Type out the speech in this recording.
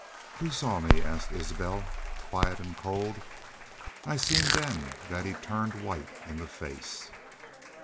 "'Who saw me?' asked Isbel, quiet an' cold. I seen then thet he'd turned white in the face.